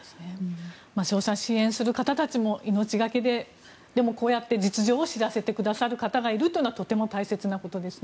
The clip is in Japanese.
瀬尾さん支援する方たちも命がけででもこうやって実情を知らせてくださる方がいるのはとても大切なことですね。